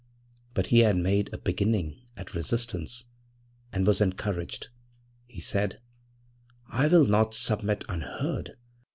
But he had made a beginning at resistance and was encouraged. He said: 'I will not submit unheard.